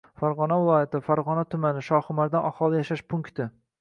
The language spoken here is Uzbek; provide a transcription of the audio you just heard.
Farg‘ona viloyati, Farg‘ona tumani, Shoximardon aholi yashash punkti